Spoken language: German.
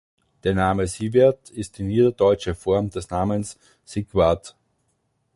Der Name "Sievert" ist die niederdeutsche Form des Namens Siegward.